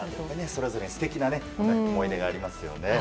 それぞれに素敵な思い出がありますね。